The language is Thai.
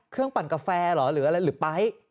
เครื่องปั่นกาแฟหรอหรือไป๊ต์